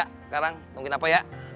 sekarang tungguin aku ya